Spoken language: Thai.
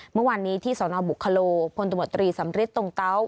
เมื่อวานนี้ที่สนบุคโลพลตมตรีสำริทตรงเตา